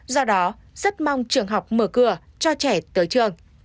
do đó rất mong trường học mở cửa cho trẻ tới trường